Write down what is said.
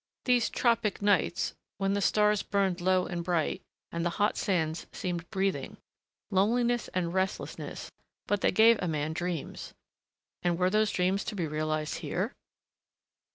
These tropic nights, when the stars burned low and bright, and the hot sands seemed breathing.... Loneliness and restlessness but they gave a man dreams.... And were those dreams to be realized here?